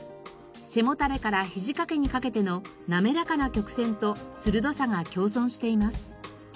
背もたれから肘掛けにかけての滑らかな曲線と鋭さが共存しています。